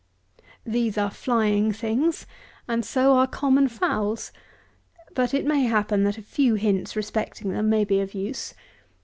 These are flying things, and so are common fowls. But it may happen that a few hints respecting them may be of use.